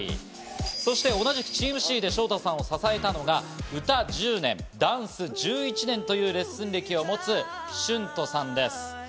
そして同じくチームＣでショウタさんを支えたのが、歌１０年、ダンス１１年というレッスン歴を持つシュントさんです。